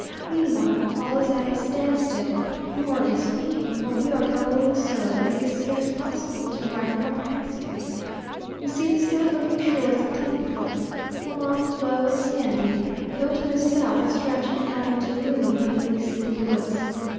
Meanwhile, all is at a stand still, morally speaking, for we are rolling so that it is scarce possible to write comprehensibly. We see the sad looking shores of Tampico, long, low, and sandy, though to the south stretching out into gloomy, faintly seen woods.